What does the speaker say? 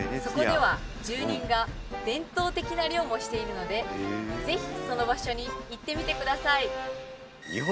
そこでは住人が伝統的な漁をしているので、ぜひその場所に行ってみてください。